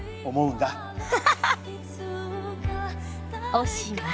おしまい。